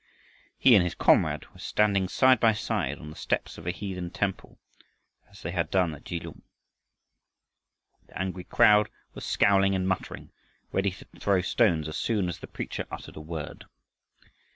He and his comrade were standing side by side on the steps of a heathen temple as they had done at Kelung. The angry crowd was scowling and muttering, ready to throw stones as soon as the preacher uttered a word.